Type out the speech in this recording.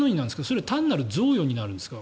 それは単なる贈与になるんですか？